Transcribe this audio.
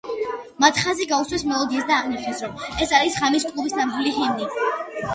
მათ ხაზი გაუსვეს მელოდიას და აღნიშნეს, რომ ეს არის ღამის კლუბის ნამდვილი ჰიმნი.